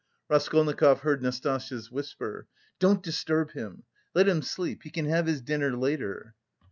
Raskolnikov heard Nastasya's whisper: "Don't disturb him! Let him sleep. He can have his dinner later."